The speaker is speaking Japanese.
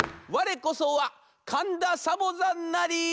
われこそはかんだサボざんなり」。